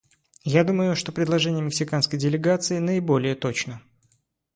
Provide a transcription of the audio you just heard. Я думаю, что предложение мексиканской делегации наиболее точно.